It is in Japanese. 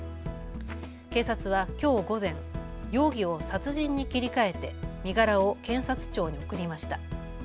警察はきょう午前、容疑を殺人に切り替えて身柄を検察庁に送りました。